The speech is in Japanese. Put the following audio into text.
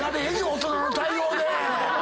大人の対応で。